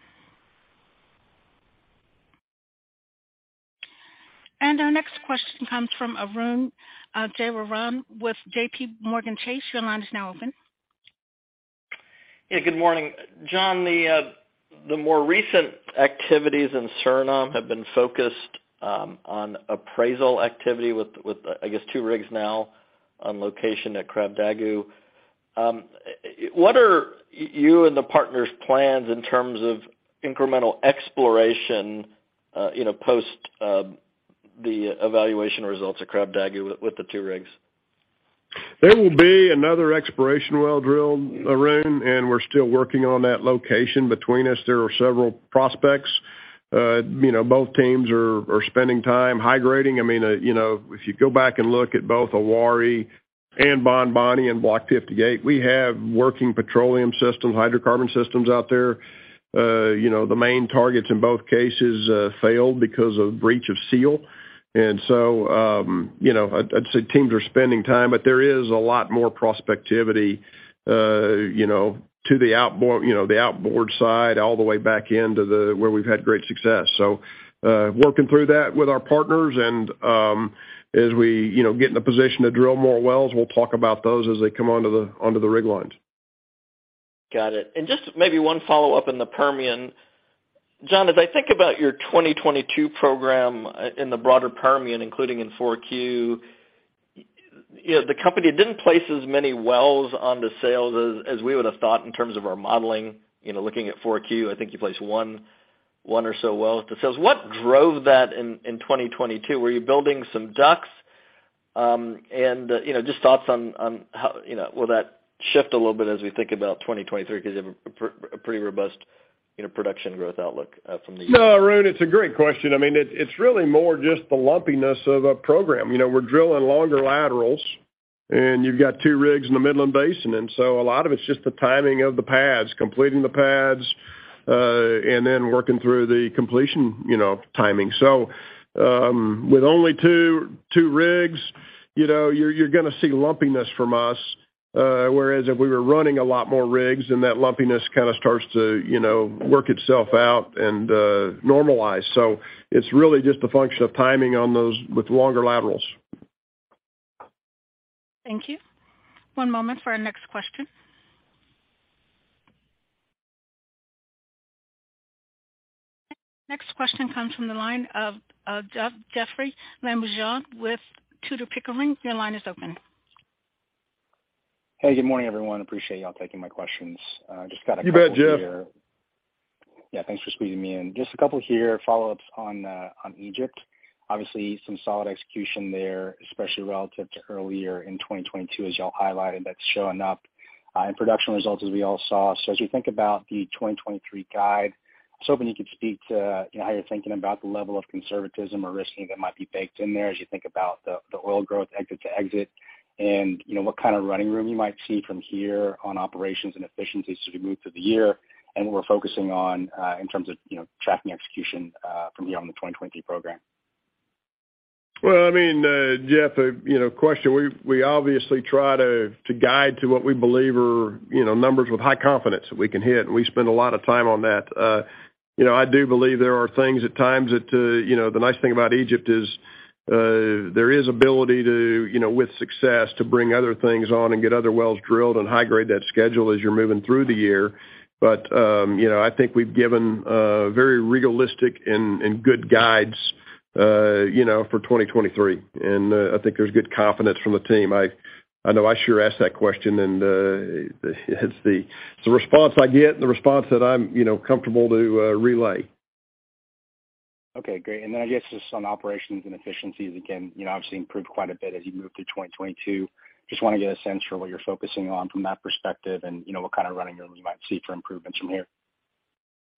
Our next question comes from Arun Jayaram with JPMorgan Chase. Your line is now open. Yeah, good morning. John, the more recent activities in Suriname have been focused on appraisal activity with, I guess, two rigs now on location at Krabdagu. What are you and the partners' plans in terms of incremental exploration, you know, post the evaluation results of Krabdagu with the two rigs? There will be another exploration well drilled, Arun, and we're still working on that location. Between us, there are several prospects. you know, both teams are spending time high grading. I mean, you know, if you go back and look at both Awari and Bonboni in Block 58, we have working petroleum systems, hydrocarbon systems out there. you know, the main targets in both cases failed because of breach of seal. you know, I'd say teams are spending time, but there is a lot more prospectivity. You know, to the outboard side all the way back into the where we've had great success. Working through that with our partners and, as we, you know, get in a position to drill more wells, we'll talk about those as they come onto the rig lines. Got it. Just maybe one follow-up in the Permian. John, as I think about your 2022 program in the broader Permian, including in 4Q, you know, the company didn't place as many wells onto sales as we would have thought in terms of our modeling. You know, looking at 4Q, I think you placed 1oneor so wells to sales. What drove that in 2022? Were you building some ducks? You know, just thoughts on how, you know, will that shift a little bit as we think about 2023 because you have a pretty robust, you know, production growth outlook from the. No, Arun, it's a great question. I mean, it's really more just the lumpiness of a program. You know, we're drilling longer laterals, and you've got two rigs in the Midland Basin. A lot of it's just the timing of the pads, completing the pads, and then working through the completion, you know, timing. With only two rigs, you know, you're gonna see lumpiness from us, whereas if we were running a lot more rigs then that lumpiness kind of starts to, you know, work itself out and normalize. It's really just a function of timing on those with longer laterals. Thank you. One moment for our next question. Next question comes from the line of Jeoffrey Lambujon with Tudor, Pickering. Your line is open. Hey, good morning, everyone. Appreciate y'all taking my questions. Just got a couple here. You bet, Jeoffrey. Yeah, thanks for squeezing me in. Just a couple here, follow-ups on Egypt. Obviously, some solid execution there, especially relative to earlier in 2022, as y'all highlighted. That's showing up in production results as we all saw. As we think about the 2023 guide, I was hoping you could speak to, you know, how you're thinking about the level of conservatism or risk that might be baked in there as you think about the oil growth exit to exit. You know, what kind of running room you might see from here on operations and efficiencies as we move through the year and what we're focusing on, in terms of, you know, tracking execution, from here on the 2023 program? Well, I mean, Jeff, you know, question, we obviously try to guide to what we believe are, you know, numbers with high confidence that we can hit, and we spend a lot of time on that. You know, I do believe there are things at times that, you know, the nice thing about Egypt is, there is ability to, you know, with success, to bring other things on and get other wells drilled and high grade that schedule as you're moving through the year. You know, I think we've given very realistic and good guides, you know, for 2023. I think there's good confidence from the team. I know I sure ask that question, and it's the response I get and the response that I'm, you know, comfortable to relay. Okay, great. I guess just on operations and efficiencies, again, you know, obviously improved quite a bit as you move through 2022. Just wanna get a sense for what you're focusing on from that perspective and, you know, what kind of running room you might see for improvements from here?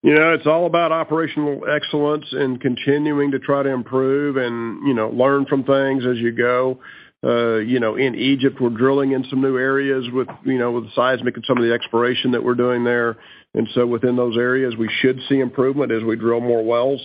You know, it's all about operational excellence and continuing to try to improve and, you know, learn from things as you go. You know, in Egypt, we're drilling in some new areas with, you know, with the seismic and some of the exploration that we're doing there. Within those areas, we should see improvement as we drill more wells,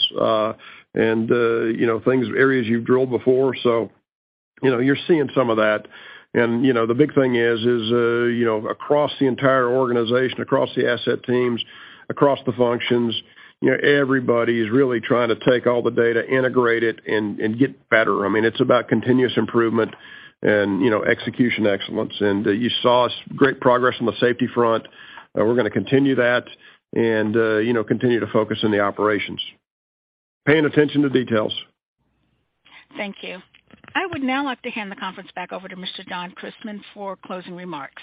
and, you know, areas you've drilled before. You know, you're seeing some of that. You know, the big thing is, you know, across the entire organization, across the asset teams, across the functions, you know, everybody is really trying to take all the data, integrate it, and get better. I mean, it's about continuous improvement and, you know, execution excellence. You saw great progress on the safety front. We're gonna continue that and, you know, continue to focus on the operations. Paying attention to details. Thank you. I would now like to hand the conference back over to Mr. John Christmann for closing remarks.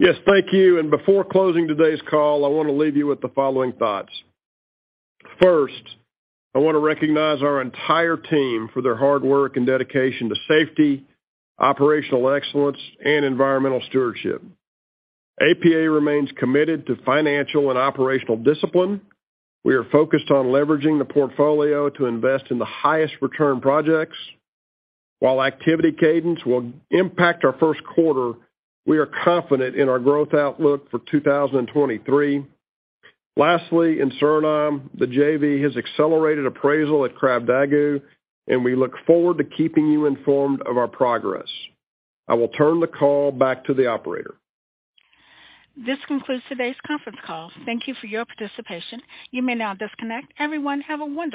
Yes, thank you. Before closing today's call, I wanna leave you with the following thoughts. First, I wanna recognize our entire team for their hard work and dedication to safety, operational excellence, and environmental stewardship. APA remains committed to financial and operational discipline. We are focused on leveraging the portfolio to invest in the highest return projects. While activity cadence will impact our first quarter, we are confident in our growth outlook for 2023. In Suriname, the JV has accelerated appraisal at Krabdagu, and we look forward to keeping you informed of our progress. I will turn the call back to the operator. This concludes today's conference call. Thank you for your participation. You may now disconnect. Everyone, have a wonderful day.